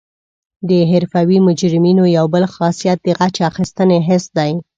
د حرفوي مجرمینو یو بل خاصیت د غچ اخیستنې حس دی